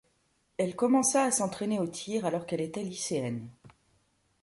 Elle commença à s'entraîner au tir alors qu'elle était lycéenne.